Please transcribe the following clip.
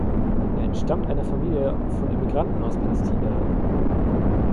Er entstammt einer Familie von Immigranten aus Palästina.